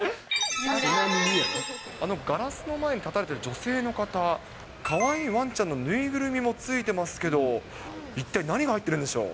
ガラスの前に立たれてる女性の方、かわいいワンちゃんの縫いぐるみもついてますけど、一体何が入ってるんでしょう。